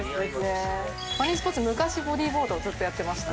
マリンスポーツ昔ボディーボードをずっとやってました。